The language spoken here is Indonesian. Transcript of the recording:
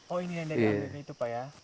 oh ini yang diambil itu pak ya